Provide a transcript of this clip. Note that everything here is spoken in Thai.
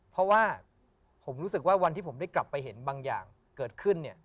เพราะว่าผมรู้สึกว่าวันที่ผมได้กลับไปเห็นบางอย่างเกิดขึ้นเนี่ย